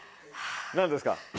何ですか？